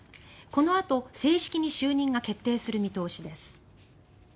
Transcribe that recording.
このあと正式に就任が決定する見通しです。